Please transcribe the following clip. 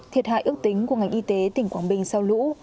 thiệt hại ước tính của ngành y tế tỉnh quảng bình sau lũ